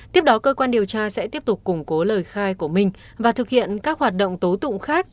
tiếp đó cơ quan điều tra sẽ tiếp tục củng cố lời khai của minh và thực hiện các hoạt động tố tụng khác